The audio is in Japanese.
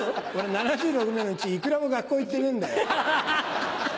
７６年のうちいくらも学校行ってねえんだよ。